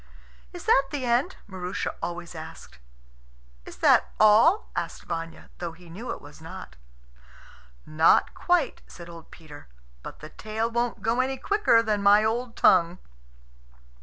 "Is that the end?" Maroosia always asked. "Is that all?" asked Vanya, though he knew it was not. "Not quite," said old Peter; "but the tale won't go any quicker than my old tongue."